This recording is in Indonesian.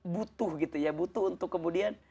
butuh gitu ya butuh untuk kemudian